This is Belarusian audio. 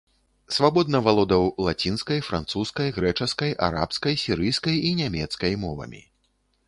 Свабодна валодаў лацінскай, французскай, грэчаскай, арабскай, сірыйскай і нямецкай мовамі.